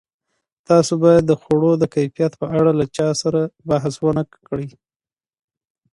تاسو باید د خوړو د کیفیت په اړه له چا سره بحث ونه کړئ.